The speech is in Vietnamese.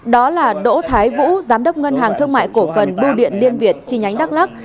đó là đỗ thái vũ giám đốc ngân hàng thương mại cổ phần bưu điện liên việt chi nhánh đắk lắc